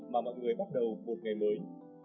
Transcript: mà mọi người bắt đầu một ngày mới